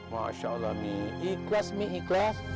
masya allah mi ikhlas mi ikhlas